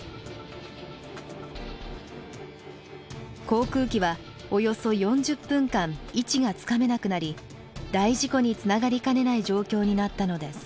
航空機はおよそ４０分間位置がつかめなくなり大事故につながりかねない状況になったのです。